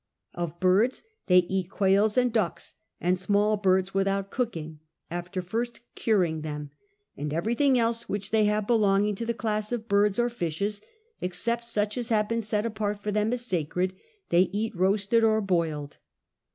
Of birds they eat quails and ducks and small birds without cooking, after first curing them; and everything else which they have belonging to the class of birds or fishes, except such as have been set apart by them as sacred, they eat roasted or boiled.